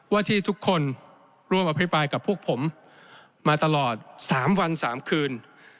ว่าที่ทุกคนร่วมอภิปรายกับพวกผมมาตลอด๓วัน๓คืน